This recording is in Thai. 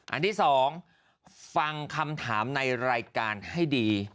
อันที่๒ฟังคำถามในรายการให้ดี